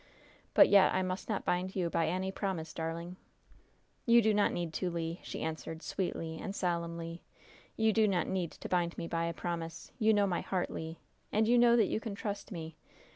But yet I must not bind you by any promise, darling?" "You do not need to, Le," she answered, sweetly and solemnly. "You do not need to bind me by a promise. You know my heart, Le. And you know that you can trust me!